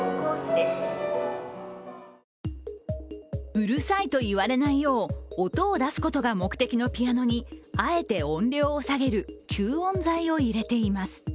うるさいと言われないよう音を出すことが目的のピアノにあえて音量を下げる吸音材を入れています。